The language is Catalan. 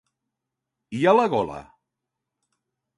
I a la gola?